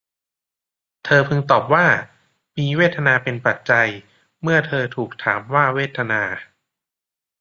เธอพึงตอบว่า มีเวทนาเป็นปัจจัย เมื่อเธอถูกถามว่าเวทนา